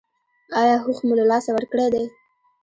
ایا هوښ مو له لاسه ورکړی دی؟